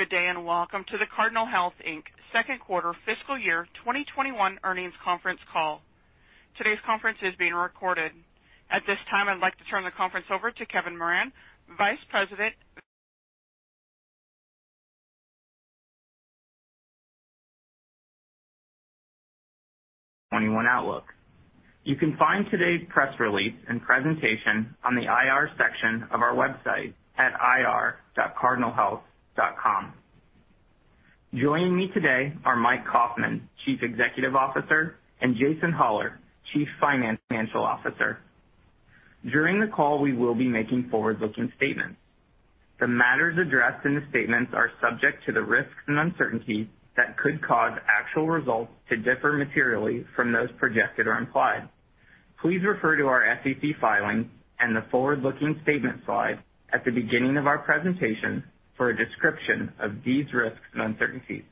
Good day. Welcome to the Cardinal Health Inc Second Quarter Fiscal Year 2021 Earnings Conference Call. Today's conference is being recorded. At this time, I'd like to turn the conference over to Kevin Moran, Vice President. 2021 outlook. You can find today's press release and presentation on the IR section of our website at ir.cardinalhealth.com. Joining me today are Mike Kaufmann, Chief Executive Officer, and Jason Hollar, Chief Financial Officer. During the call, we will be making forward-looking statements. The matters addressed in the statements are subject to the risks and uncertainties that could cause actual results to differ materially from those projected or implied. Please refer to our SEC filings and the forward-looking statement slide at the beginning of our presentation for a description of these risks and uncertainties.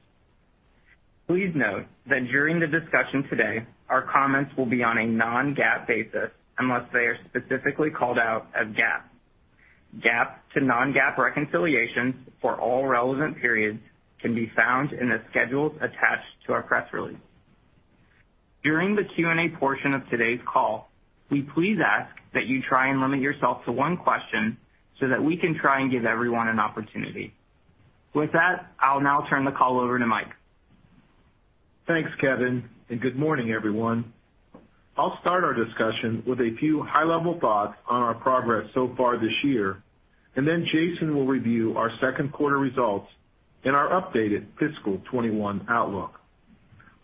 Please note that during the discussion today, our comments will be on a non-GAAP basis unless they are specifically called out as GAAP. GAAP to non-GAAP reconciliations for all relevant periods can be found in the schedules attached to our press release. During the Q&A portion of today's call, we please ask that you try and limit yourself to one question so that we can try and give everyone an opportunity. With that, I'll now turn the call over to Mike. Thanks, Kevin, and good morning, everyone. I'll start our discussion with a few high-level thoughts on our progress so far this year, then Jason will review our second quarter results and our updated fiscal 2021 outlook.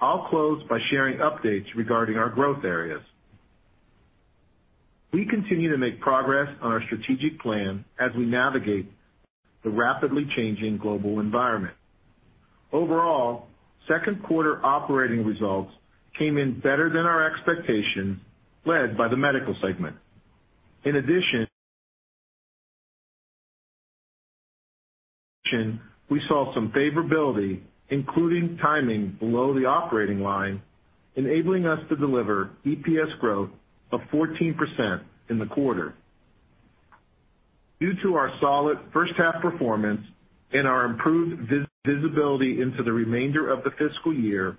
I'll close by sharing updates regarding our growth areas. We continue to make progress on our strategic plan as we navigate the rapidly changing global environment. Overall, second quarter operating results came in better than our expectations, led by the medical segment. In addition, we saw some favorability, including timing below the operating line, enabling us to deliver EPS growth of 14% in the quarter. Due to our solid first half performance and our improved visibility into the remainder of the fiscal year,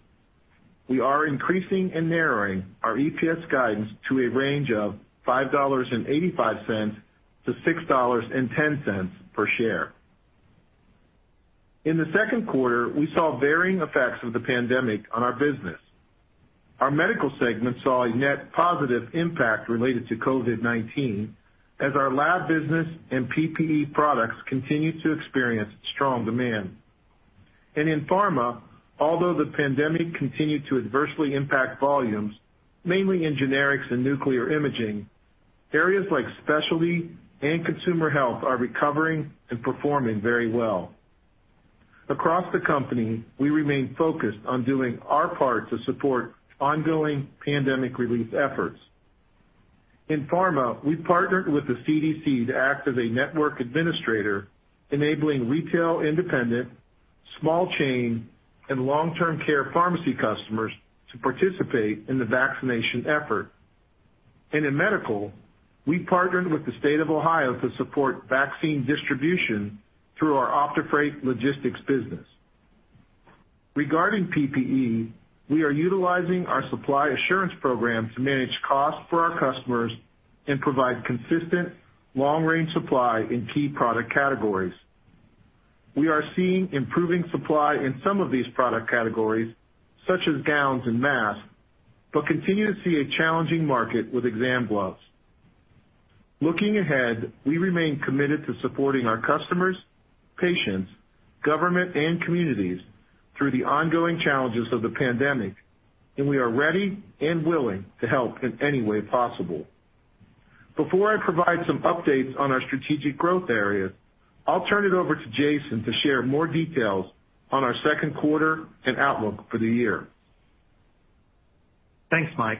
we are increasing and narrowing our EPS guidance to a range of $5.85-$6.10 per share. In the second quarter, we saw varying effects of the pandemic on our business. Our Medical Segment saw a net positive impact related to COVID-19 as our lab business and PPE products continued to experience strong demand. In Pharma, although the pandemic continued to adversely impact volumes, mainly in generics and nuclear imaging, areas like specialty and consumer health are recovering and performing very well. Across the company, we remain focused on doing our part to support ongoing pandemic relief efforts. In Pharma, we partnered with the CDC to act as a network administrator, enabling retail independent, small chain, and long-term care pharmacy customers to participate in the vaccination effort. In Medical, we partnered with the State of Ohio to support vaccine distribution through our OptiFreight Logistics business. Regarding PPE, we are utilizing our supply assurance program to manage costs for our customers and provide consistent, long-range supply in key product categories. We are seeing improving supply in some of these product categories, such as gowns and masks, but continue to see a challenging market with exam gloves. Looking ahead, we remain committed to supporting our customers, patients, government, and communities through the ongoing challenges of the pandemic, and we are ready and willing to help in any way possible. Before I provide some updates on our strategic growth areas, I'll turn it over to Jason to share more details on our second quarter and outlook for the year. Thanks, Mike,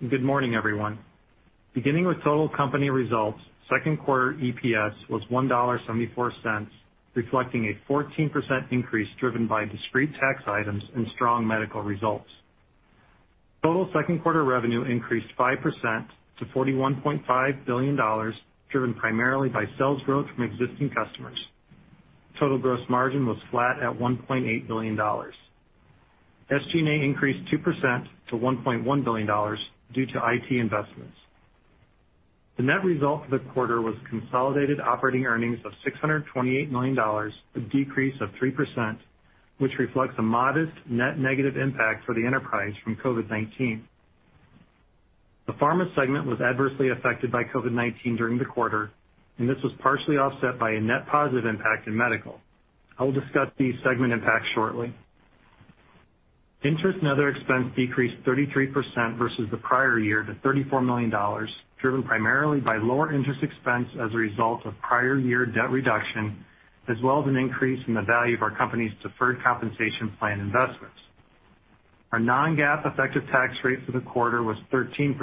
and good morning, everyone. Beginning with total company results, second quarter EPS was $1.74, reflecting a 14% increase driven by discrete tax items and strong medical results. Total second-quarter revenue increased 5% to $41.5 billion, driven primarily by sales growth from existing customers. Total gross margin was flat at $1.8 billion. SG&A increased 2% to $1.1 billion due to IT investments. The net result for the quarter was consolidated operating earnings of $628 million, a decrease of 3%, which reflects a modest net negative impact for the enterprise from COVID-19. The pharma segment was adversely affected by COVID-19 during the quarter, and this was partially offset by a net positive impact in medical. I will discuss these segment impacts shortly. Interest and other expense decreased 33% versus the prior year to $34 million, driven primarily by lower interest expense as a result of prior year debt reduction, as well as an increase in the value of our company's deferred compensation plan investments. Our non-GAAP effective tax rate for the quarter was 13%,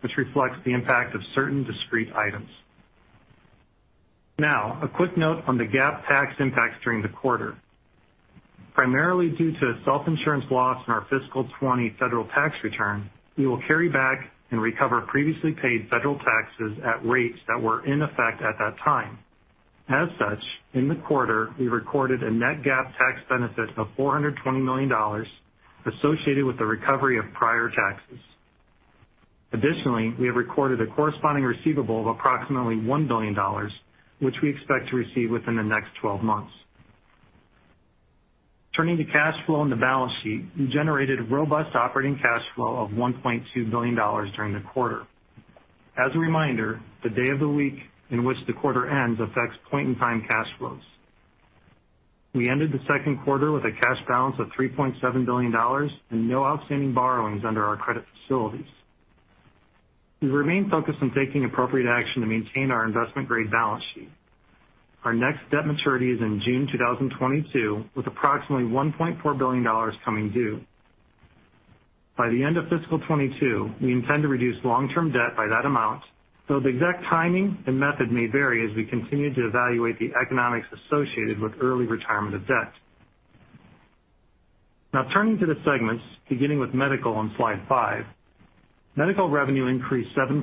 which reflects the impact of certain discrete items. Now, a quick note on the GAAP tax impacts during the quarter. Primarily due to self-insurance loss in our fiscal 2020 federal tax return, we will carry back and recover previously paid federal taxes at rates that were in effect at that time. As such, in the quarter, we recorded a net GAAP tax benefit of $420 million associated with the recovery of prior taxes. Additionally, we have recorded a corresponding receivable of approximately $1 billion, which we expect to receive within the next 12 months. Turning to cash flow and the balance sheet, we generated robust operating cash flow of $1.2 billion during the quarter. As a reminder, the day of the week in which the quarter ends affects point-in-time cash flows. We ended the second quarter with a cash balance of $3.7 billion and no outstanding borrowings under our credit facilities. We remain focused on taking appropriate action to maintain our investment-grade balance sheet. Our next debt maturity is in June 2022, with approximately $1.4 billion coming due. By the end of fiscal 2022, we intend to reduce long-term debt by that amount, though the exact timing and method may vary as we continue to evaluate the economics associated with early retirement of debt. Now turning to the segments, beginning with medical on slide five. Medical revenue increased 7%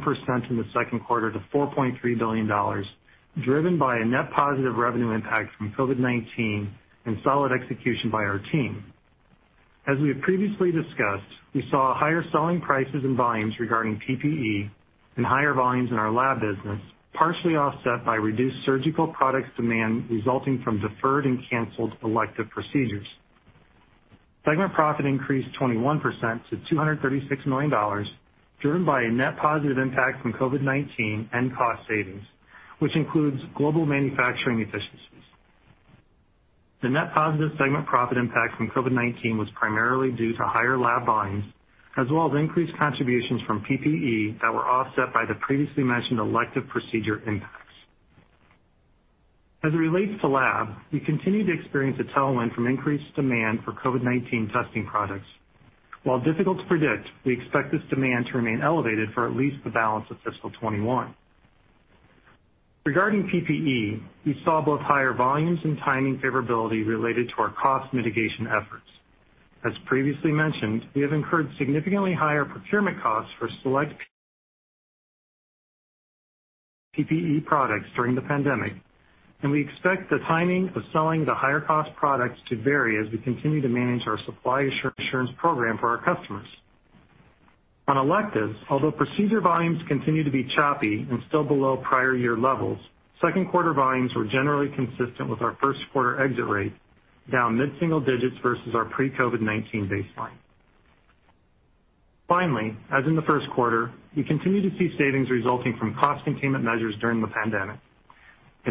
in the second quarter to $4.3 billion, driven by a net positive revenue impact from COVID-19 and solid execution by our team. As we have previously discussed, we saw higher selling prices and volumes regarding PPE and higher volumes in our lab business, partially offset by reduced surgical products demand resulting from deferred and canceled elective procedures. Segment profit increased 21% to $236 million, driven by a net positive impact from COVID-19 and cost savings, which includes global manufacturing efficiencies. The net positive segment profit impact from COVID-19 was primarily due to higher lab volumes, as well as increased contributions from PPE that were offset by the previously mentioned elective procedure impacts. As it relates to lab, we continue to experience a tailwind from increased demand for COVID-19 testing products. While difficult to predict, we expect this demand to remain elevated for at least the balance of fiscal 2021. Regarding PPE, we saw both higher volumes and timing favorability related to our cost mitigation efforts. As previously mentioned, we have incurred significantly higher procurement costs for select PPE products during the pandemic, and we expect the timing of selling the higher-cost products to vary as we continue to manage our supply assurance program for our customers. On electives, although procedure volumes continue to be choppy and still below prior year levels, second quarter volumes were generally consistent with our first quarter exit rate, down mid-single digits versus our pre-COVID-19 baseline. Finally, as in the first quarter, we continue to see savings resulting from cost containment measures during the pandemic.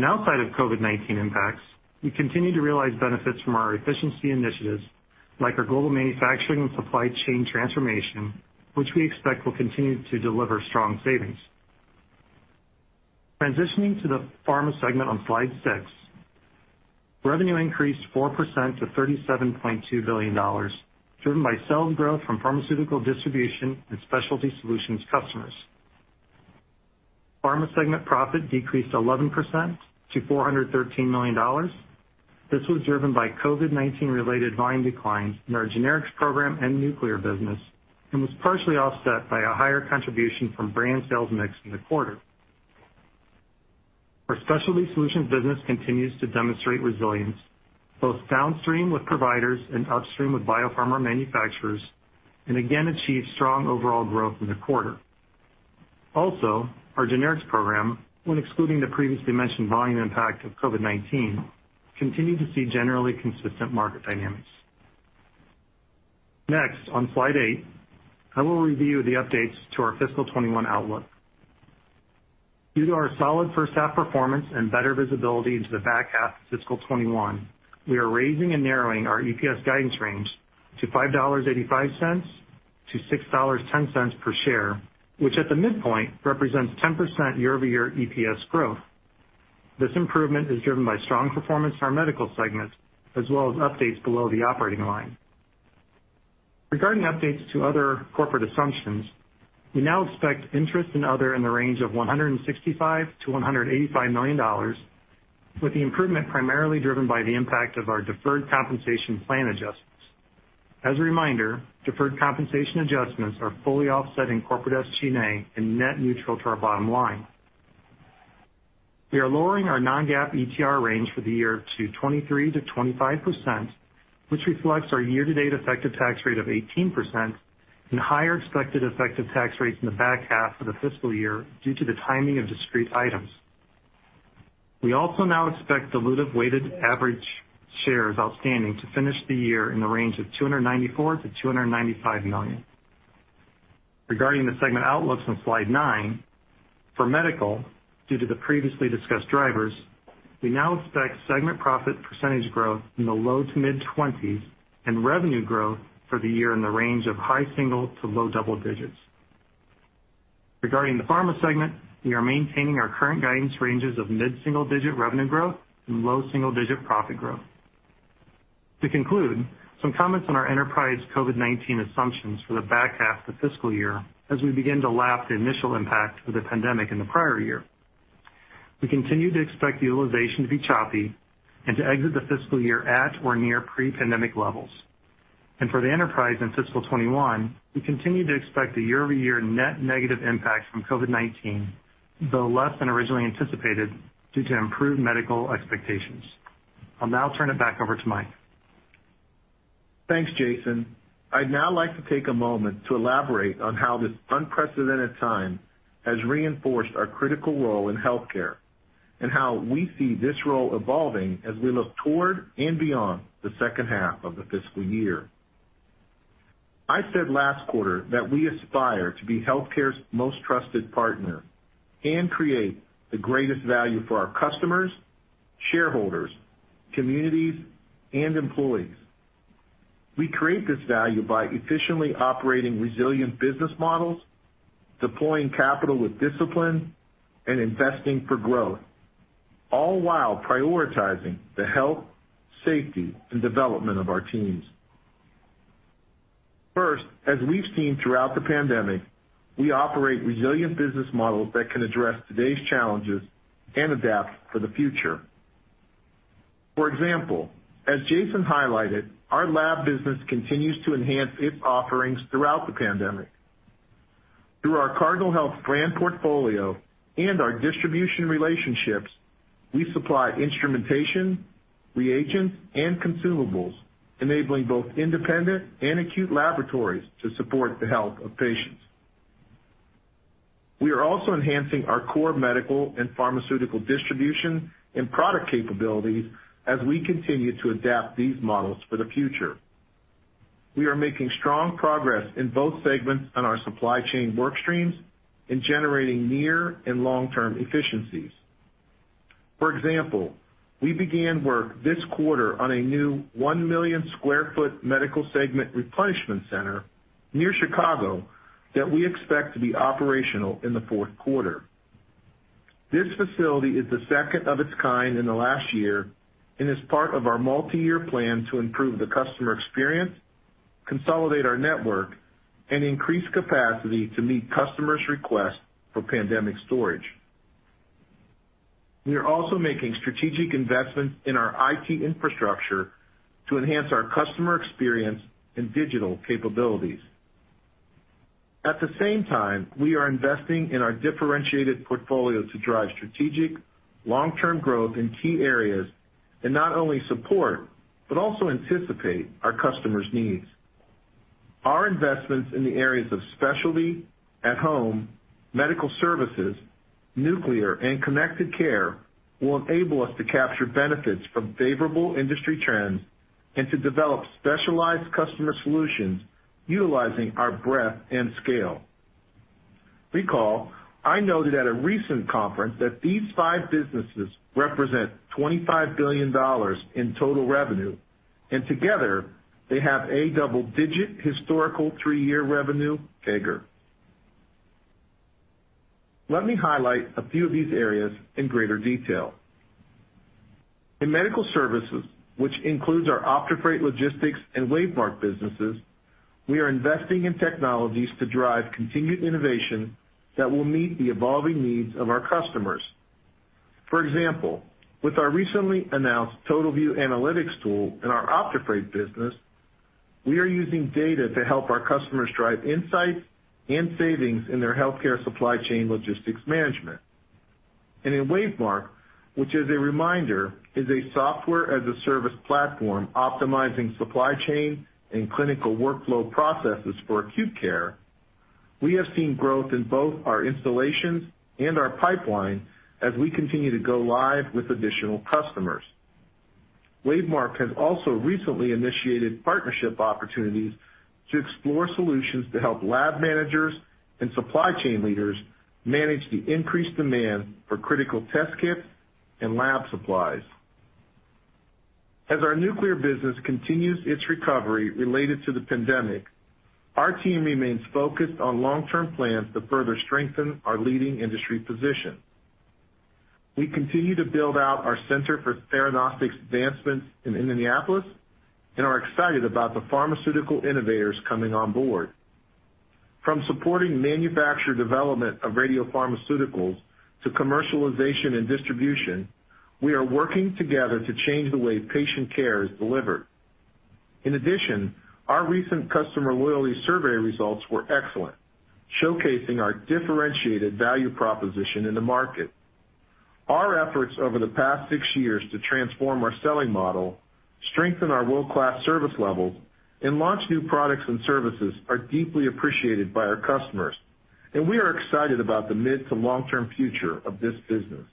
Outside of COVID-19 impacts, we continue to realize benefits from our efficiency initiatives, like our global manufacturing and supply chain transformation, which we expect will continue to deliver strong savings. Transitioning to the Pharma segment on slide six. Revenue increased 4% to $37.2 billion, driven by sales growth from pharmaceutical distribution and specialty solutions customers. Pharma segment profit decreased 11% to $413 million. This was driven by COVID-19 related volume declines in our generics program and nuclear business, and was partially offset by a higher contribution from brand sales mix in the quarter. Our specialty solutions business continues to demonstrate resilience, both downstream with providers and upstream with biopharma manufacturers, and again achieved strong overall growth in the quarter. Also, our generics program, when excluding the previously mentioned volume impact of COVID-19, continued to see generally consistent market dynamics. Next, on slide eight, I will review the updates to our fiscal 2021 outlook. Due to our solid first half performance and better visibility into the back half of fiscal 2021, we are raising and narrowing our EPS guidance range to $5.85-$6.10 per share, which at the midpoint represents 10% year-over-year EPS growth. This improvement is driven by strong performance in our medical segments, as well as updates below the operating line. Regarding updates to other corporate assumptions, we now expect interest and other in the range of $165 million-$185 million, with the improvement primarily driven by the impact of our deferred compensation plan adjustments. As a reminder, deferred compensation adjustments are fully offsetting corporate SG&A and net neutral to our bottom line. We are lowering our non-GAAP ETR range for the year to 23%-25%, which reflects our year-to-date effective tax rate of 18% and higher expected effective tax rates in the back half of the fiscal year due to the timing of discrete items. We also now expect dilutive weighted average shares outstanding to finish the year in the range of 294 million-295 million. Regarding the segment outlooks on slide nine, for Medical, due to the previously discussed drivers, we now expect segment profit percentage growth in the low to mid-20s and revenue growth for the year in the range of high single to low double digits. Regarding the Pharma segment, we are maintaining our current guidance ranges of mid-single digit revenue growth and low single digit profit growth. To conclude, some comments on our enterprise COVID-19 assumptions for the back half of the fiscal year as we begin to lap the initial impact of the pandemic in the prior year. We continue to expect utilization to be choppy and to exit the fiscal year at or near pre-pandemic levels. For the enterprise in fiscal 2021, we continue to expect a year-over-year net negative impact from COVID-19, though less than originally anticipated due to improved medical expectations. I'll now turn it back over to Mike. Thanks, Jason. I'd now like to take a moment to elaborate on how this unprecedented time has reinforced our critical role in healthcare and how we see this role evolving as we look toward and beyond the second half of the fiscal year. I said last quarter that we aspire to be healthcare's most trusted partner and create the greatest value for our customers, shareholders, communities, and employees. We create this value by efficiently operating resilient business models, deploying capital with discipline, and investing for growth, all while prioritizing the health, safety, and development of our teams. First, as we've seen throughout the pandemic, we operate resilient business models that can address today's challenges and adapt for the future. For example, as Jason highlighted, our lab business continues to enhance its offerings throughout the pandemic. Through our Cardinal Health brand portfolio and our distribution relationships, we supply instrumentation, reagents, and consumables, enabling both independent and acute laboratories to support the health of patients. We are also enhancing our core medical and pharmaceutical distribution and product capabilities as we continue to adapt these models for the future. We are making strong progress in both segments on our supply chain work streams in generating near and long-term efficiencies. For example, we began work this quarter on a new 1 million-square-foot medical segment replenishment center near Chicago that we expect to be operational in the fourth quarter. This facility is the second of its kind in the last year and is part of our multi-year plan to improve the customer experience, consolidate our network, and increase capacity to meet customers' requests for pandemic storage. We are also making strategic investments in our IT infrastructure to enhance our customer experience and digital capabilities. At the same time, we are investing in our differentiated portfolio to drive strategic long-term growth in key areas that not only support but also anticipate our customers' needs. Our investments in the areas of specialty, at-home medical services, nuclear, and connected care will enable us to capture benefits from favorable industry trends and to develop specialized customer solutions utilizing our breadth and scale. Recall, I noted at a recent conference that these five businesses represent $25 billion in total revenue, and together, they have a double-digit historical three-year revenue CAGR. Let me highlight a few of these areas in greater detail. In medical services, which includes our OptiFreight Logistics and WaveMark businesses, we are investing in technologies to drive continued innovation that will meet the evolving needs of our customers. For example, with our recently announced TotalVue Analytics tool in our OptiFreight business, we are using data to help our customers drive insights and savings in their healthcare supply chain logistics management. In WaveMark, which, as a reminder, is a software-as-a-service platform optimizing supply chain and clinical workflow processes for acute care, we have seen growth in both our installations and our pipeline as we continue to go live with additional customers. WaveMark has also recently initiated partnership opportunities to explore solutions to help lab managers and supply chain leaders manage the increased demand for critical test kits and lab supplies. As our nuclear business continues its recovery related to the pandemic, our team remains focused on long-term plans to further strengthen our leading industry position. We continue to build out our Center for Theranostics Advancement in Indianapolis and are excited about the pharmaceutical innovators coming on board from supporting manufacture development of radiopharmaceuticals to commercialization and distribution, we are working together to change the way patient care is delivered. In addition, our recent customer loyalty survey results were excellent, showcasing our differentiated value proposition in the market. Our efforts over the past six years to transform our selling model, strengthen our world-class service levels, and launch new products and services are deeply appreciated by our customers, and we are excited about the mid to long-term future of this business.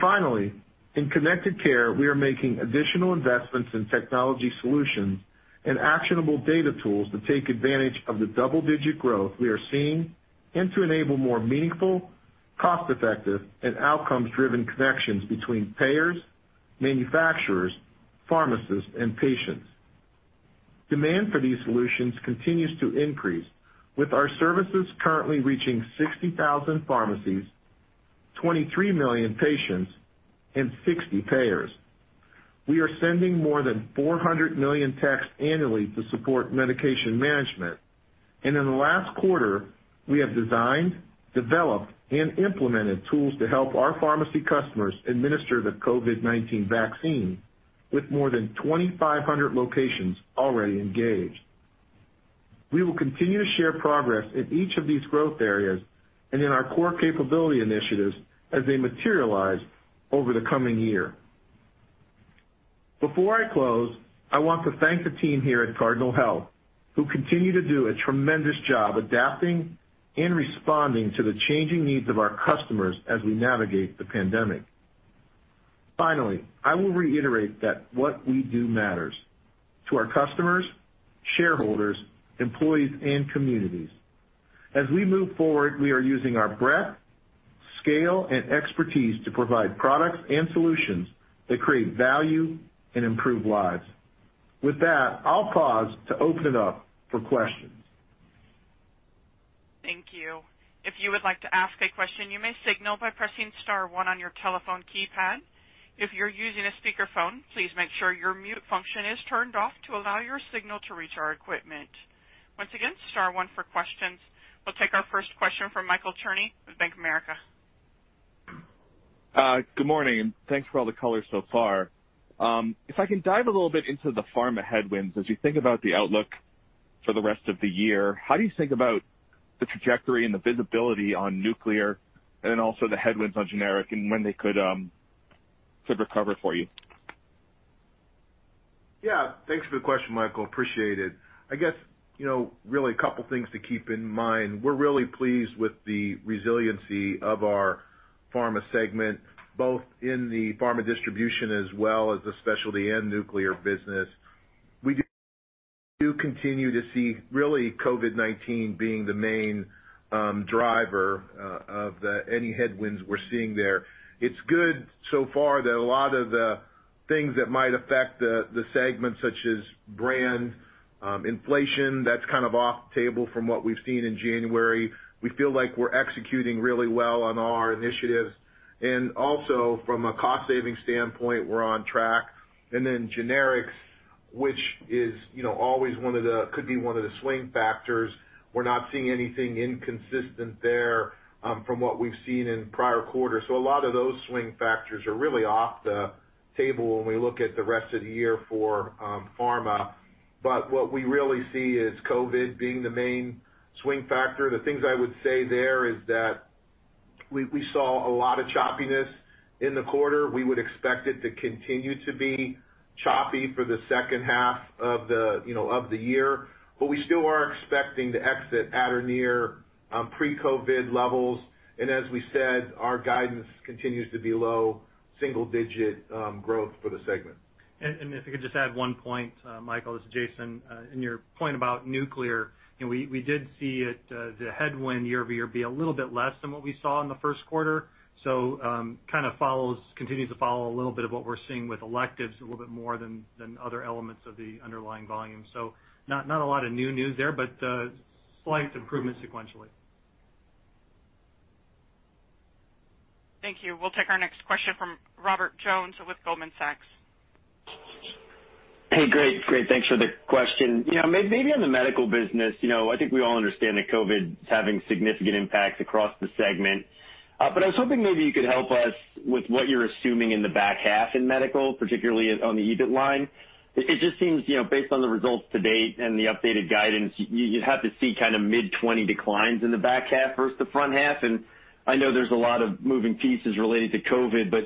Finally, in connected care, we are making additional investments in technology solutions and actionable data tools to take advantage of the double-digit growth we are seeing and to enable more meaningful, cost-effective, and outcomes-driven connections between payers, manufacturers, pharmacists, and patients. Demand for these solutions continues to increase, with our services currently reaching 60,000 pharmacies, 23 million patients, and 60 payers. We are sending more than 400 million texts annually to support medication management. And In the last quarter, we have designed, developed, and implemented tools to help our pharmacy customers administer the COVID-19 vaccine, with more than 2,500 locations already engaged. We will continue to share progress in each of these growth areas and in our core capability initiatives as they materialize over the coming year. Before I close, I want to thank the team here at Cardinal Health, who continue to do a tremendous job adapting and responding to the changing needs of our customers as we navigate the pandemic. Finally, I will reiterate that what we do matters to our customers, shareholders, employees, and communities. As we move forward, we are using our breadth, scale, and expertise to provide products and solutions that create value and improve lives. With that, I'll pause to open it up for questions. Thank you. If you would like to ask a question, you may signal by pressing star one on your telephone keypad. If you're using a speakerphone, please make sure your mute function is turned off to allow your signal to reach our equipment. Once again, star one for questions. We'll take our first question from Michael Cherny with Bank of America. Good morning. Thanks for all the color so far. If I can dive a little bit into the pharma headwinds, as you think about the outlook for the rest of the year, how do you think about the trajectory and the visibility on nuclear, also the headwinds on generic and when they could recover for you? Yeah. Thanks for the question, Michael, appreciate it. I guess, really a couple things to keep in mind. We're really pleased with the resiliency of our pharma segment, both in the pharma distribution as well as the specialty and nuclear business. We do continue to see really COVID-19 being the main driver of any headwinds we're seeing there. It's good so far that a lot of the things that might affect the segment, such as brand inflation, that's kind of off the table from what we've seen in January. We feel like we're executing really well on our initiatives. Also, from a cost-saving standpoint, we're on track. Generics, which could be one of the swing factors. We're not seeing anything inconsistent there from what we've seen in prior quarters. A lot of those swing factors are really off the table when we look at the rest of the year for pharma. What we really see is COVID being the main swing factor. The things I would say there is that we saw a lot of choppiness in the quarter. We would expect it to continue to be choppy for the second half of the year. We still are expecting to exit at or near pre-COVID levels. As we said, our guidance continues to be low single-digit growth for the segment. If I could just add one point, Michael, this is Jason. In your point about nuclear, we did see the headwind year-over-year be a little bit less than what we saw in the first quarter. Continues to follow a little bit of what we're seeing with electives a little bit more than other elements of the underlying volume. Not a lot of new news there, but slight improvement sequentially. Thank you. We'll take our next question from Robert Jones with Goldman Sachs. Hey, great. Thanks for the question. Maybe on the medical business, I think we all understand that COVID is having significant impacts across the segment. I was hoping maybe you could help us with what you're assuming in the back half in medical, particularly on the EBIT line. It just seems based on the results to date and the updated guidance, you'd have to see mid-20 declines in the back half versus the front half. I know there's a lot of moving pieces related to COVID, but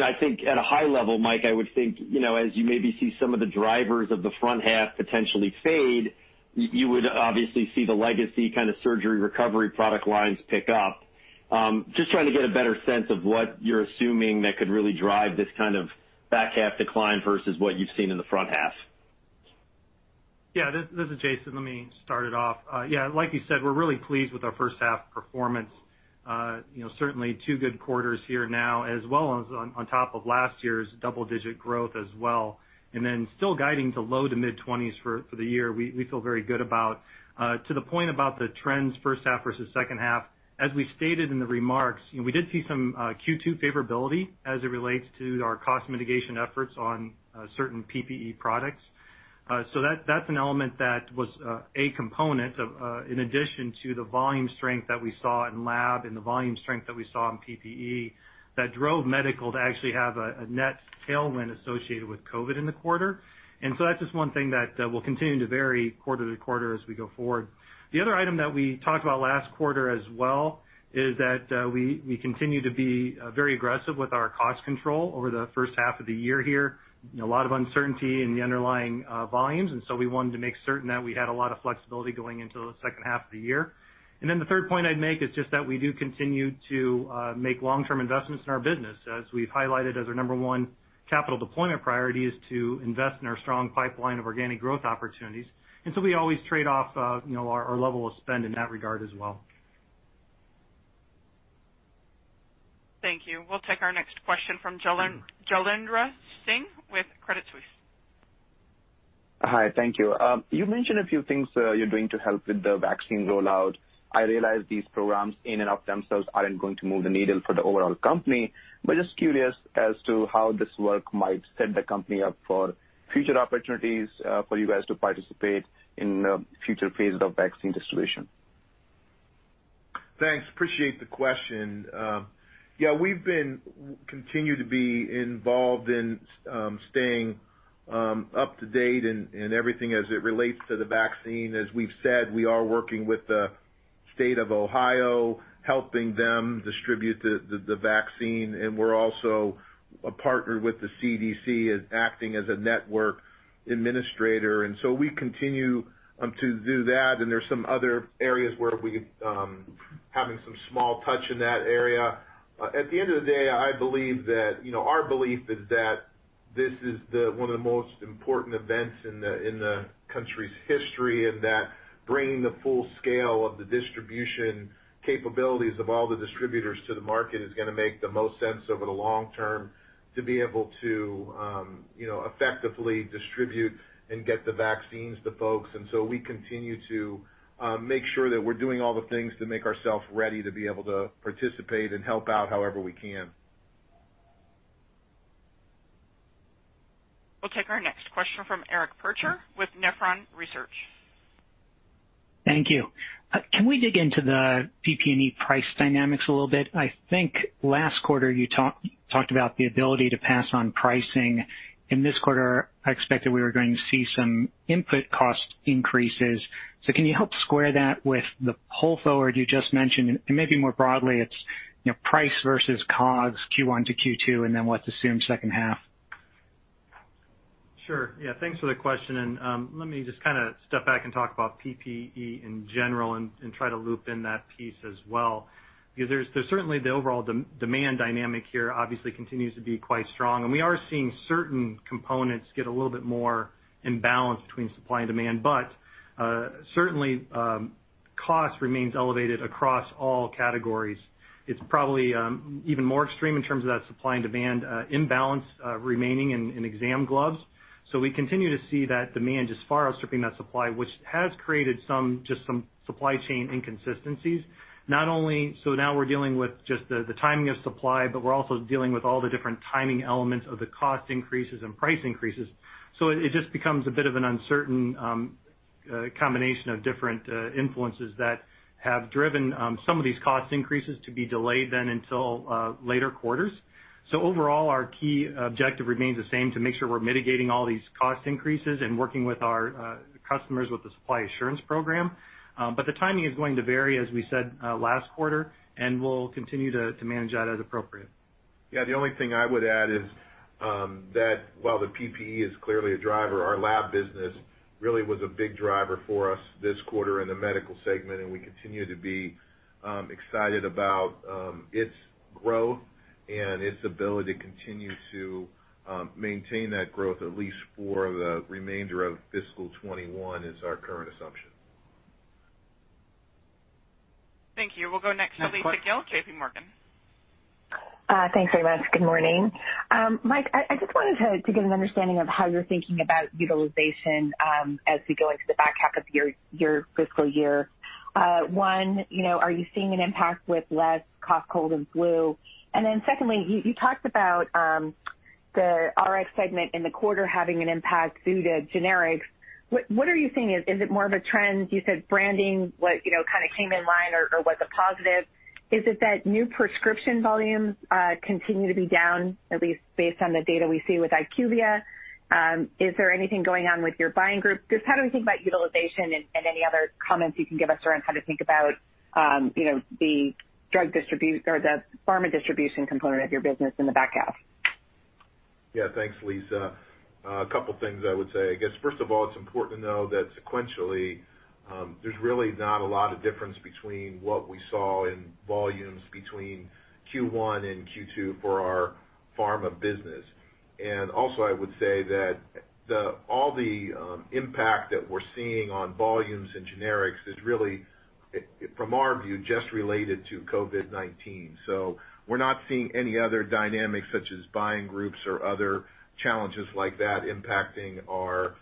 I think at a high level, Mike, I would think, as you maybe see some of the drivers of the front half potentially fade, you would obviously see the legacy kind of surgery recovery product lines pick up. Trying to get a better sense of what you're assuming that could really drive this kind of back half decline versus what you've seen in the front half. This is Jason. Let me start it off. Like you said, we're really pleased with our first half performance. Certainly two good quarters here now as well as on top of last year's double-digit growth as well. Still guiding to low to mid-20s for the year, we feel very good about. To the point about the trends first half versus second half, as we stated in the remarks, we did see some Q2 favorability as it relates to our cost mitigation efforts on certain PPE products. That's an element that was a component in addition to the volume strength that we saw in lab and the volume strength that we saw in PPE that drove medical to actually have a net tailwind associated with COVID in the quarter. That's just one thing that will continue to vary quarter to quarter as we go forward. The other item that we talked about last quarter as well is that we continue to be very aggressive with our cost control over the first half of the year here. A lot of uncertainty in the underlying volumes, and so we wanted to make certain that we had a lot of flexibility going into the second half of the year. The third point I'd make is just that we do continue to make long-term investments in our business. As we've highlighted, our number one capital deployment priority is to invest in our strong pipeline of organic growth opportunities. We always trade off our level of spend in that regard as well. Thank you. We'll take our next question from Jailendra Singh with Credit Suisse. Hi, thank you. You mentioned a few things you're doing to help with the vaccine rollout. Just curious as to how this work might set the company up for future opportunities for you guys to participate in future phases of vaccine distribution. Thanks. Appreciate the question. Yeah, continue to be involved in staying up to date in everything as it relates to the vaccine. As we've said, we are working with the State of Ohio, helping them distribute the vaccine. We're also a partner with the CDC, acting as a network administrator. We continue to do that. There's some other areas where having some small touch in that area. At the end of the day, our belief is that this is one of the most important events in the country's history, and that bringing the full scale of the distribution capabilities of all the distributors to the market is going to make the most sense over the long term to be able to effectively distribute and get the vaccines to folks. We continue to make sure that we're doing all the things to make ourselves ready to be able to participate and help out however we can. We'll take our next question from Eric Percher with Nephron Research. Thank you. Can we dig into the PPE price dynamics a little bit? I think last quarter you talked about the ability to pass on pricing. In this quarter, I expected we were going to see some input cost increases. Can you help square that with the pull forward you just mentioned? Maybe more broadly, it's price versus COGS, Q1 to Q2, and then what's assumed second half. Sure. Yeah. Thanks for the question. Let me just kind of step back and talk about PPE in general and try to loop in that piece as well, because there's certainly the overall demand dynamic here obviously continues to be quite strong. We are seeing certain components get a little bit more in balance between supply and demand. Certainly, cost remains elevated across all categories. It's probably even more extreme in terms of that supply and demand imbalance remaining in exam gloves. We continue to see that demand just far outstripping that supply, which has created just some supply chain inconsistencies. Now we're dealing with just the timing of supply, but we're also dealing with all the different timing elements of the cost increases and price increases. It just becomes a bit of an uncertain combination of different influences that have driven some of these cost increases to be delayed then until later quarters. Overall, our key objective remains the same, to make sure we're mitigating all these cost increases and working with our customers with the supply assurance program. The timing is going to vary, as we said last quarter, and we'll continue to manage that as appropriate. Yeah, the only thing I would add is that while the PPE is clearly a driver, our lab business really was a big driver for us this quarter in the medical segment, and we continue to be excited about its growth and its ability to continue to maintain that growth, at least for the remainder of fiscal 2021, is our current assumption. Thank you. We'll go next to Lisa Gill, JPMorgan. Thanks very much. Good morning. Mike, I just wanted to get an understanding of how you're thinking about utilization as we go into the back half of your fiscal year. One, are you seeing an impact with less cough, cold, and flu? Secondly, you talked about the Rx segment in the quarter having an impact due to generics. What are you seeing? Is it more of a trend? You said branding, what kind of came in line or was a positive. Is it that new prescription volumes continue to be down, at least based on the data we see with IQVIA? Is there anything going on with your buying group? Just how do we think about utilization and any other comments you can give us around how to think about the pharma distribution component of your business in the back half? Yeah. Thanks, Lisa. A couple things I would say. I guess first of all, it's important to know that sequentially, there's really not a lot of difference between what we saw in volumes between Q1 and Q2 for our pharma business. Also I would say that all the impact that we're seeing on volumes and generics is really, from our view, just related to COVID-19. We're not seeing any other dynamics such as buying groups or other challenges like that impacting our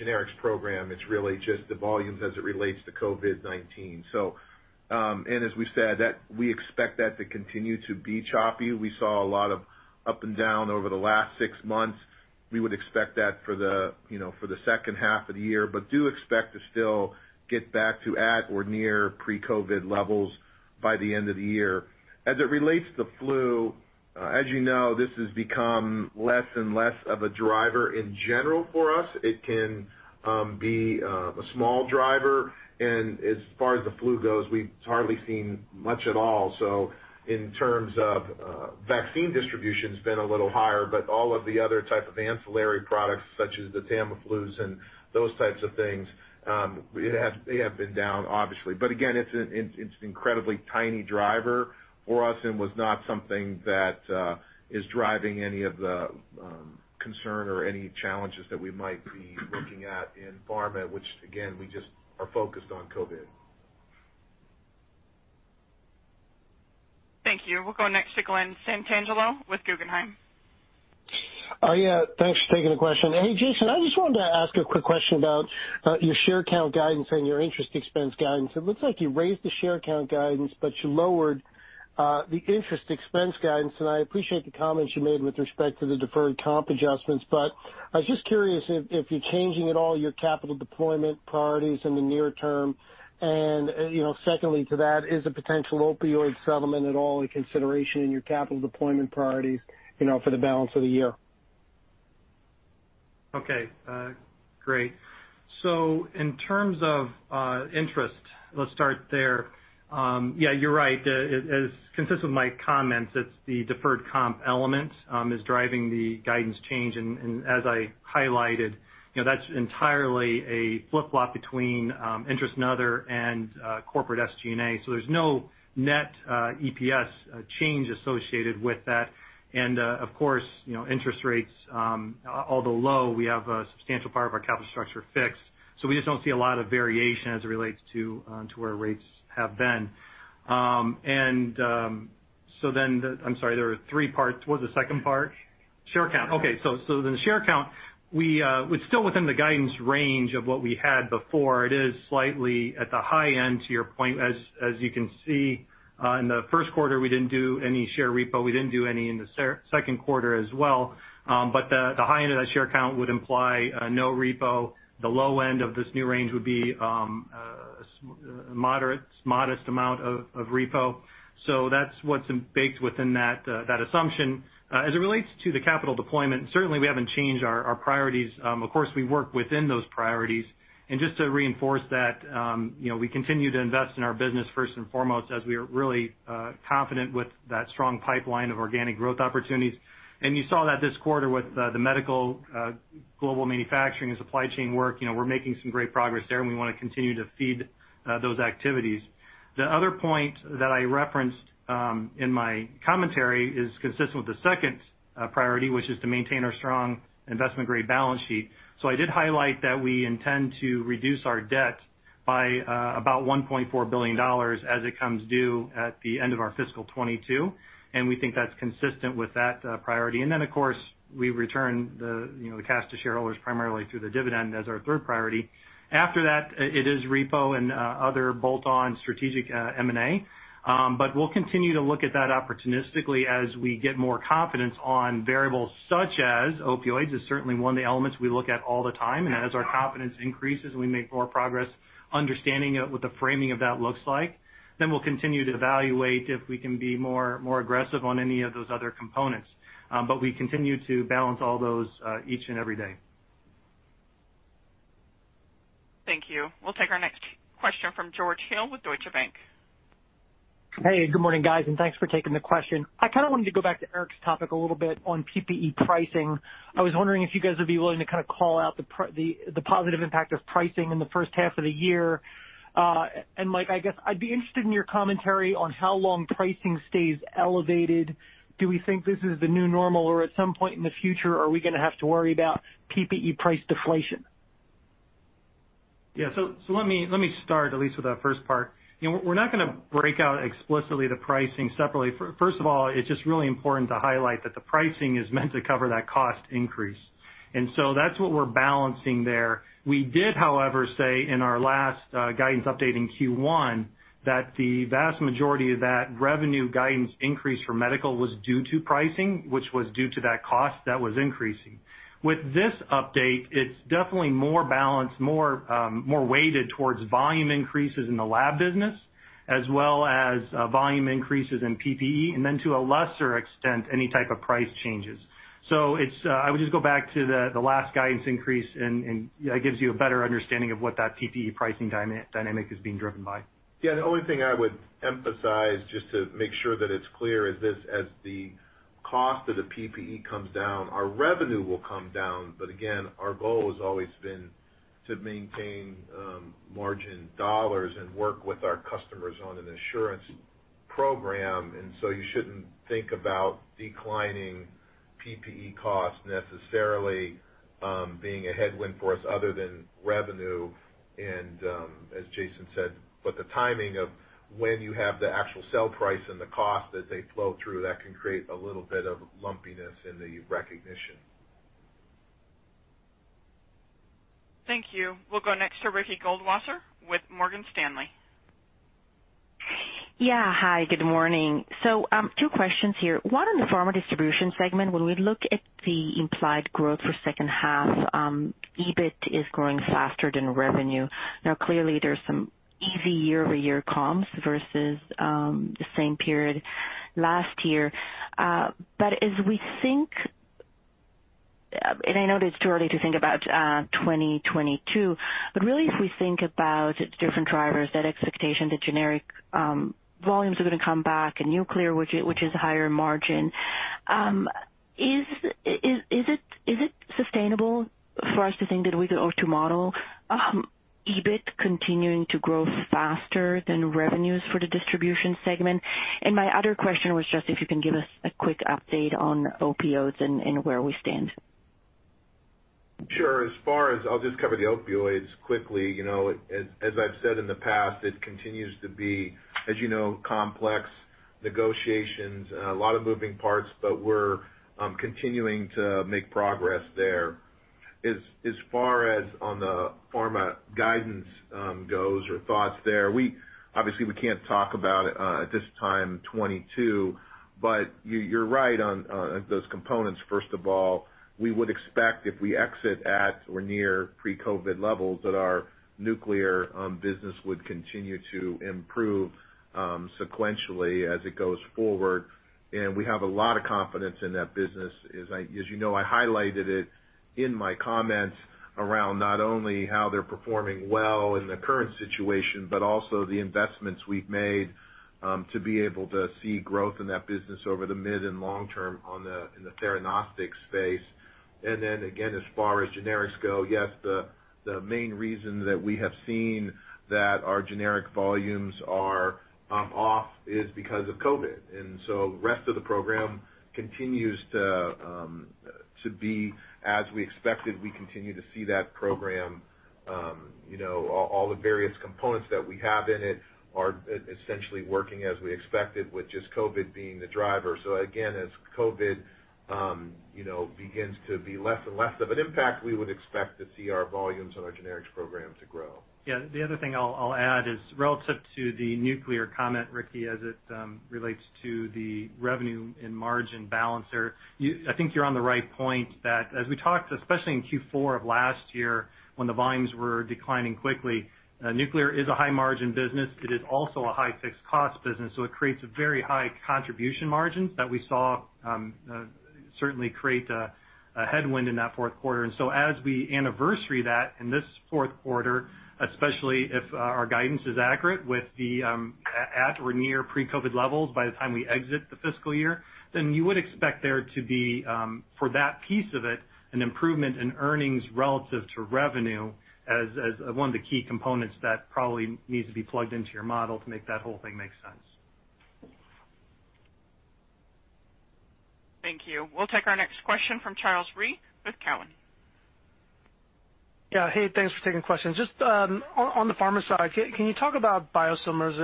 generics program. It's really just the volumes as it relates to COVID-19. As we said, we expect that to continue to be choppy. We saw a lot of up and down over the last six months. We would expect that for the second half of the year, but do expect to still get back to at or near pre-COVID levels by the end of the year. As it relates to flu, as you know, this has become less and less of a driver in general for us. It can be a small driver, and as far as the flu goes, we've hardly seen much at all. In terms of vaccine distribution's been a little higher, but all of the other type of ancillary products such as the Tamiflus and those types of things, they have been down, obviously. Again, it's an incredibly tiny driver for us and was not something that is driving any of the concern or any challenges that we might be looking at in pharma, which again, we just are focused on COVID. Thank you. We'll go next to Glen Santangelo with Guggenheim. Yeah, thanks for taking the question. Hey, Jason, I just wanted to ask a quick question about your share count guidance and your interest expense guidance. It looks like you raised the share count guidance, but you lowered the interest expense guidance. I appreciate the comments you made with respect to the deferred comp adjustments. I was just curious if you're changing at all your capital deployment priorities in the near term. Secondly to that, is a potential opioid settlement at all a consideration in your capital deployment priorities for the balance of the year? Okay. Great. In terms of interest, let's start there. Yeah, you're right. As consistent with my comments, it's the deferred comp element is driving the guidance change. As I highlighted, that's entirely a flip-flop between interest and other and corporate SG&A. There's no net EPS change associated with that. Of course, interest rates, although low, we have a substantial part of our capital structure fixed. We just don't see a lot of variation as it relates to where rates have been. I'm sorry, there were three parts. What was the second part? Share count. Okay. The share count, we're still within the guidance range of what we had before. It is slightly at the high end to your point. As you can see, in the first quarter, we didn't do any share repo. We didn't do any in the second quarter as well. The high end of that share count would imply no repo. The low end of this new range would be a modest amount of repo. That's what's baked within that assumption. As it relates to the capital deployment, certainly we haven't changed our priorities. Of course, we work within those priorities. Just to reinforce that, we continue to invest in our business first and foremost, as we are really confident with that strong pipeline of organic growth opportunities. You saw that this quarter with the medical global manufacturing and supply chain work. We're making some great progress there, and we want to continue to feed those activities. The other point that I referenced in my commentary is consistent with the second priority, which is to maintain our strong investment-grade balance sheet. I did highlight that we intend to reduce our debt by about $1.4 billion as it comes due at the end of our fiscal 2022, and we think that's consistent with that priority. Then, of course, we return the cash to shareholders primarily through the dividend as our third priority. After that, it is repo and other bolt-on strategic M&A. We'll continue to look at that opportunistically as we get more confidence on variables such as opioids, is certainly one of the elements we look at all the time. As our confidence increases and we make more progress understanding what the framing of that looks like, then we'll continue to evaluate if we can be more aggressive on any of those other components. We continue to balance all those each and every day. Thank you. We'll take our next question from George Hill with Deutsche Bank. Hey, good morning, guys, and thanks for taking the question. I kind of wanted to go back to Eric's topic a little bit on PPE pricing. I was wondering if you guys would be willing to kind of call out the positive impact of pricing in the first half of the year. Mike, I guess I'd be interested in your commentary on how long pricing stays elevated. Do we think this is the new normal, or at some point in the future, are we going to have to worry about PPE price deflation? Let me start at least with that first part. We're not going to break out explicitly the pricing separately. First of all, it's just really important to highlight that the pricing is meant to cover that cost increase. That's what we're balancing there. We did, however, say in our last guidance update in Q1 that the vast majority of that revenue guidance increase for medical was due to pricing, which was due to that cost that was increasing. With this update, it's definitely more balanced, more weighted towards volume increases in the lab business as well as volume increases in PPE, and then to a lesser extent, any type of price changes. I would just go back to the last guidance increase, and that gives you a better understanding of what that PPE pricing dynamic is being driven by. The only thing I would emphasize, just to make sure that it's clear, is as the cost of the PPE comes down, our revenue will come down. Again, our goal has always been to maintain margin dollars and work with our customers on an insurance program. You shouldn't think about declining PPE costs necessarily being a headwind for us other than revenue. As Jason said, the timing of when you have the actual sale price and the cost that they flow through, that can create a little bit of lumpiness in the recognition. Thank you. We'll go next to Ricky Goldwasser with Morgan Stanley. Yeah. Hi, good morning. Two questions here. One on the pharma distribution segment. When we look at the implied growth for second half, EBIT is growing faster than revenue. Now, clearly, there's some easy year-over-year comps versus the same period last year. I know that it's too early to think about 2022, but really, if we think about different drivers, that expectation that generic volumes are going to come back and nuclear, which is higher margin. Is it sustainable for us to think that we could ought to model EBIT continuing to grow faster than revenues for the distribution segment? My other question was just if you can give us a quick update on opioids and where we stand. Sure. I'll just cover the opioids quickly. As I've said in the past, it continues to be, as you know, complex negotiations and a lot of moving parts, but we're continuing to make progress there. As far as on the pharma guidance goes or thoughts there, obviously we can't talk about it at this time 2022, but you're right on those components. First of all, we would expect if we exit at or near pre-COVID-19 levels, that our nuclear business would continue to improve sequentially as it goes forward. We have a lot of confidence in that business. As you know, I highlighted it in my comments around not only how they're performing well in the current situation, but also the investments we've made, to be able to see growth in that business over the mid and long-term in the theranostics space. Then again, as far as generics go, yes, the main reason that we have seen that our generic volumes are off is because of COVID. The rest of the program continues to be as we expected. We continue to see that program, all the various components that we have in it are essentially working as we expected, with just COVID being the driver. Again, as COVID begins to be less and less of an impact, we would expect to see our volumes on our generics program to grow. The other thing I'll add is relative to the nuclear comment, Ricky, as it relates to the revenue and margin balancer. I think you're on the right point that as we talked, especially in Q4 of last year when the volumes were declining quickly, nuclear is a high-margin business. It is also a high fixed cost business, so it creates very high contribution margins that we saw, certainly create a headwind in that fourth quarter. As we anniversary that in this fourth quarter, especially if our guidance is accurate with the at or near pre-COVID levels by the time we exit the fiscal year, you would expect there to be, for that piece of it, an improvement in earnings relative to revenue as one of the key components that probably needs to be plugged into your model to make that whole thing make sense. Thank you. We'll take our next question from Charles Rhyee with Cowen. Yeah. Hey, thanks for taking the questions. Just on the pharma side, can you talk about biosimilars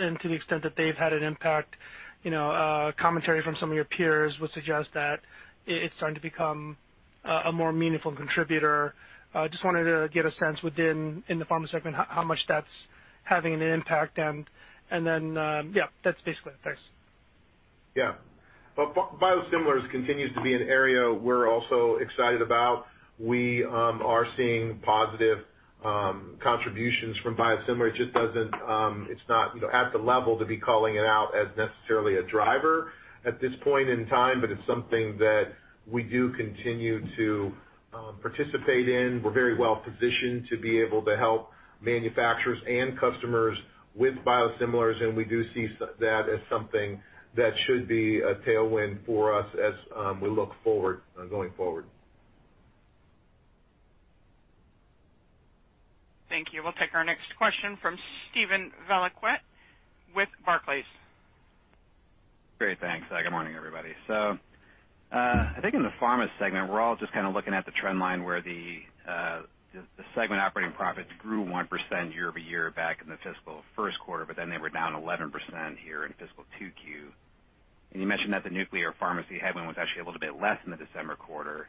and to the extent that they've had an impact? Commentary from some of your peers would suggest that it's starting to become a more meaningful contributor. Just wanted to get a sense within the pharma segment, how much that's having an impact, and then, yeah, that's basically it. Thanks. Biosimilars continues to be an area we're also excited about. We are seeing positive contributions from biosimilars. It's not at the level to be calling it out as necessarily a driver at this point in time, but it's something that we do continue to participate in. We're very well-positioned to be able to help manufacturers and customers with biosimilars, and we do see that as something that should be a tailwind for us as we look forward, going forward. Thank you. We'll take our next question from Steven Valiquette with Barclays. Great. Thanks. Good morning, everybody. I think in the pharma segment, we're all just looking at the trend line where the segment operating profits grew 1% year-over-year back in the fiscal first quarter, but then they were down 11% here in fiscal 2Q. You mentioned that the nuclear pharmacy headwind was actually a little bit less in the December quarter.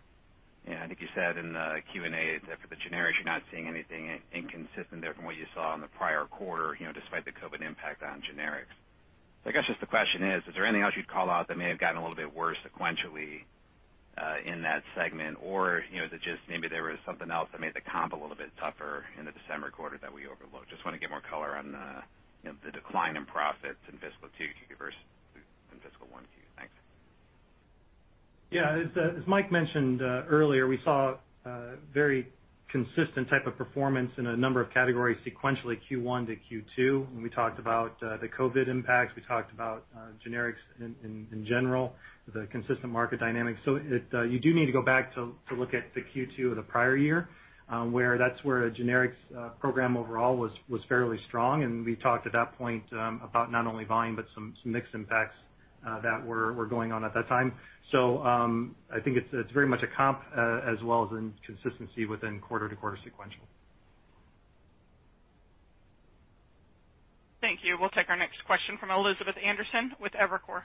I think you said in the Q&A that for the generics, you're not seeing anything inconsistent there from what you saw in the prior quarter, despite the COVID-19 impact on generics. I guess just the question is there anything else you'd call out that may have gotten a little bit worse sequentially, in that segment? Maybe there was something else that made the comp a little bit tougher in the December quarter that we overlooked. Just want to get more color on the decline in profits in fiscal 2Q versus in fiscal 1Q. Thanks. Yeah. As Mike mentioned earlier, we saw a very consistent type of performance in a number of categories sequentially, Q1 to Q2, when we talked about the COVID impacts, we talked about generics in general, the consistent market dynamics. You do need to go back to look at the Q2 of the prior year, where that's where a generics program overall was fairly strong. We talked at that point about not only volume, but some mixed impacts that were going on at that time. I think it's very much a comp, as well as inconsistency within quarter to quarter sequential. Thank you. We'll take our next question from Elizabeth Anderson with Evercore.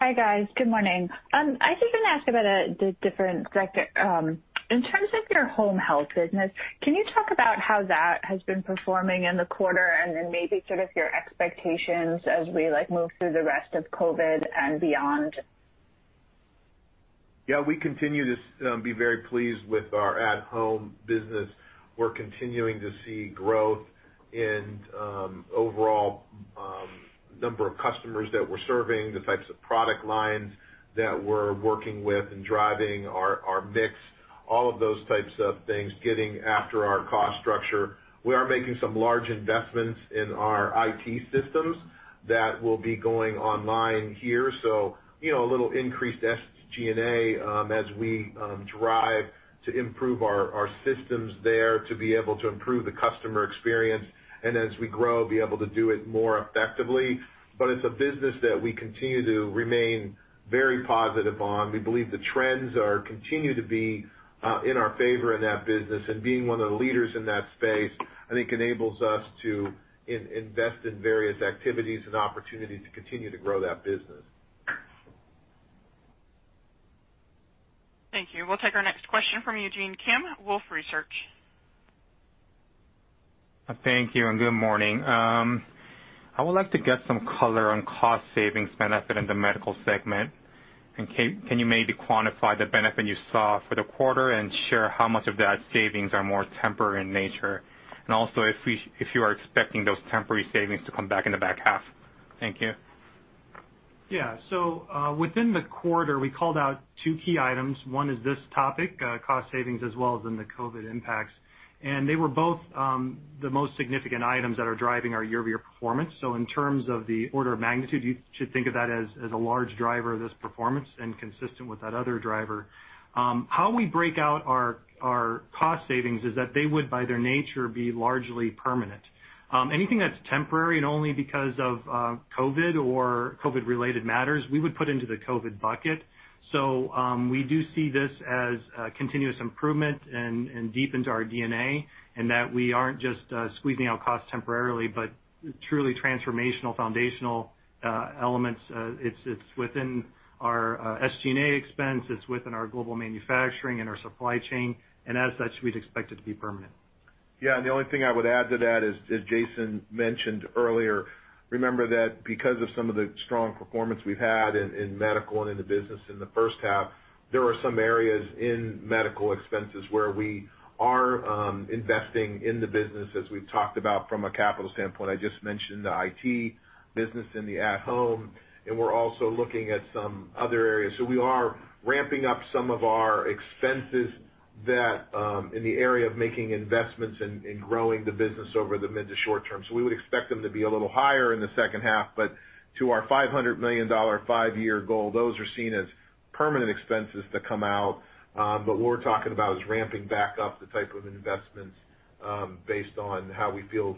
Hi, guys. Good morning. I was just going to ask about the different sectors. In terms of your home health business, can you talk about how that has been performing in the quarter and then maybe sort of your expectations as we move through the rest of COVID and beyond? Yeah, we continue to be very pleased with our at-home business. We're continuing to see growth in overall number of customers that we're serving, the types of product lines that we're working with and driving our mix, all of those types of things, getting after our cost structure. We are making some large investments in our IT systems that will be going online here. A little increased SG&A as we drive to improve our systems there, to be able to improve the customer experience, and as we grow, be able to do it more effectively. It's a business that we continue to remain very positive on. We believe the trends continue to be in our favor in that business, and being one of the leaders in that space, I think, enables us to invest in various activities and opportunities to continue to grow that business. Thank you. We'll take our next question from Eugene Kim, Wolfe Research. Thank you, and good morning. I would like to get some color on cost savings benefit in the Medical segment. Can you maybe quantify the benefit you saw for the quarter and share how much of that savings are more temporary in nature? Also if you are expecting those temporary savings to come back in the back half. Thank you. Within the quarter, we called out two key items. One is this topic, cost savings, as well as in the COVID impacts. They were both the most significant items that are driving our year-over-year performance. In terms of the order of magnitude, you should think of that as a large driver of this performance and consistent with that other driver. How we break out our cost savings is that they would, by their nature, be largely permanent. Anything that's temporary and only because of COVID or COVID-related matters, we would put into the COVID bucket. We do see this as a continuous improvement and deep into our DNA, and that we aren't just squeezing out costs temporarily, but truly transformational, foundational elements. It's within our SG&A expense, it's within our global manufacturing and our supply chain, and as such, we'd expect it to be permanent. The only thing I would add to that is, as Jason mentioned earlier, remember that because of some of the strong performance we've had in Medical and in the business in the first half, there are some areas in Medical expenses where we are investing in the business as we've talked about from a capital standpoint. I just mentioned the IT business and the at-home, and we're also looking at some other areas. We are ramping up some of our expenses that, in the area of making investments and growing the business over the mid to short term. We would expect them to be a little higher in the second half, but to our $500 million 5-year goal, those are seen as permanent expenses to come out. What we're talking about is ramping back up the type of investments based on how we feel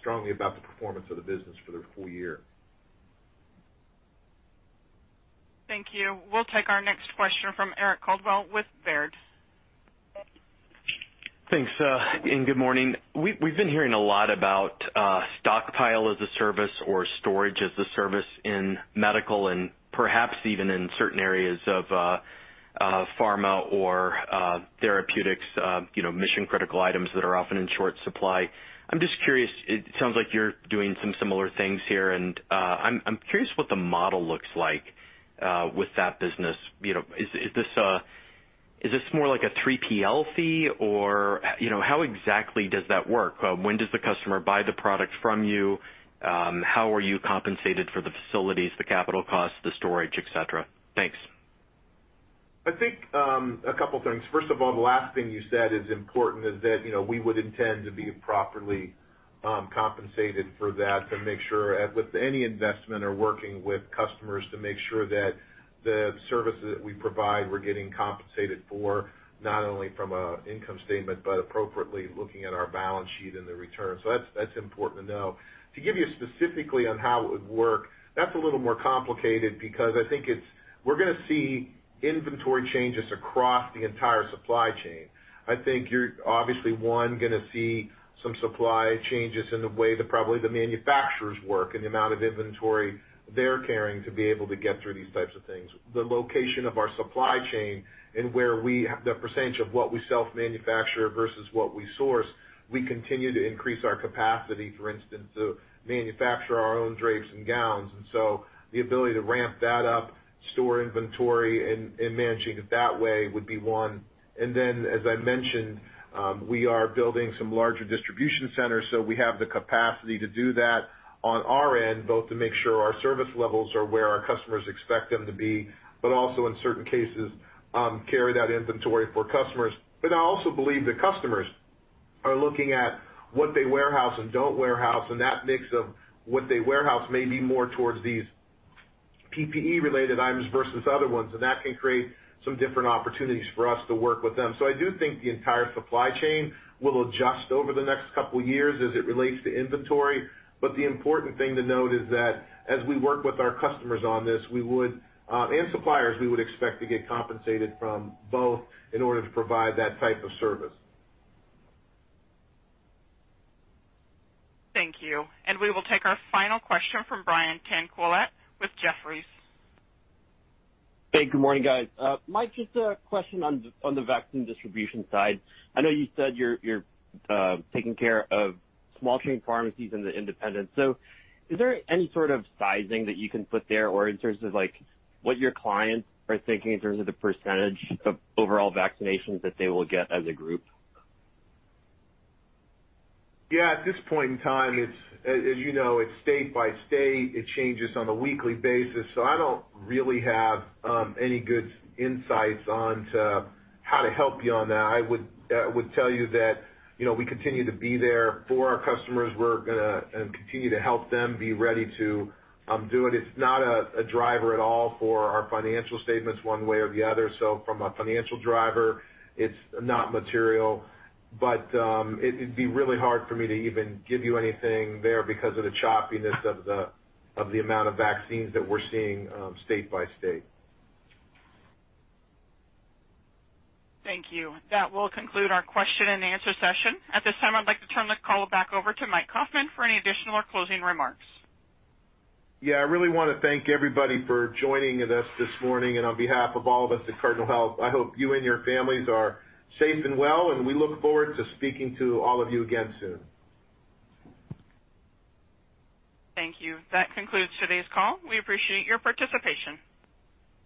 strongly about the performance of the business for the full year. Thank you. We'll take our next question from Eric Coldwell with Baird. Thanks. Good morning. We've been hearing a lot about stockpile as a service or storage as a service in Medical and perhaps even in certain areas of pharma or therapeutics, mission-critical items that are often in short supply. I'm just curious, it sounds like you're doing some similar things here, and I'm curious what the model looks like with that business. Is this more like a 3PL fee or how exactly does that work? When does the customer buy the product from you? How are you compensated for the facilities, the capital costs, the storage, et cetera? Thanks. I think a couple things. First of all, the last thing you said is important is that we would intend to be properly compensated for that to make sure, as with any investment or working with customers, to make sure that the services that we provide, we're getting compensated for, not only from an income statement, but appropriately looking at our balance sheet and the return. That's important to know. To give you specifically on how it would work, that's a little more complicated because I think we're going to see inventory changes across the entire supply chain. I think you're obviously, one, going to see some supply changes in the way that probably the manufacturers work and the amount of inventory they're carrying to be able to get through these types of things. The location of our supply chain and the percentage of what we self-manufacture versus what we source, we continue to increase our capacity, for instance, to manufacture our own drapes and gowns. The ability to ramp that up, store inventory, and managing it that way would be one. Then, as I mentioned, we are building some larger distribution centers, so we have the capacity to do that on our end, both to make sure our service levels are where our customers expect them to be, but also in certain cases, carry that inventory for customers. I also believe that customers are looking at what they warehouse and don't warehouse, and that mix of what they warehouse may be more towards these PPE-related items versus other ones, and that can create some different opportunities for us to work with them. I do think the entire supply chain will adjust over the next couple of years as it relates to inventory. The important thing to note is that as we work with our customers on this, and suppliers, we would expect to get compensated from both in order to provide that type of service. Thank you. We will take our final question from Brian Tanquilut with Jefferies. Hey, good morning, guys. Mike, just a question on the vaccine distribution side. I know you said you're taking care of small chain pharmacies and the independents. Is there any sort of sizing that you can put there or in terms of what your clients are thinking in terms of the percentage of overall vaccinations that they will get as a group? Yeah. At this point in time, as you know, it's state by state. It changes on a weekly basis, I don't really have any good insights on to how to help you on that. I would tell you that we continue to be there for our customers. We're going to continue to help them be ready to do it. It's not a driver at all for our financial statements one way or the other. From a financial driver, it's not material, it'd be really hard for me to even give you anything there because of the choppiness of the amount of vaccines that we're seeing state by state. Thank you. That will conclude our question and answer session. At this time, I'd like to turn the call back over to Mike Kaufmann for any additional or closing remarks. Yeah, I really want to thank everybody for joining us this morning. On behalf of all of us at Cardinal Health, I hope you and your families are safe and well, and we look forward to speaking to all of you again soon. Thank you. That concludes today's call. We appreciate your participation.